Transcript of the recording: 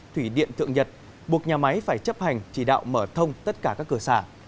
thủy điện thượng nhật buộc nhà máy phải chấp hành chỉ đạo mở thông tất cả các cửa xả